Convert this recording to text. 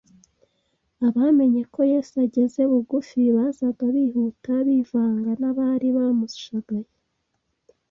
abamenye ko Yesu ageze bugufi bazaga bihuta bivanga n'abari bamushagaye.